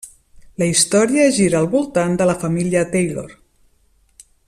La història gira al voltant de la família Taylor.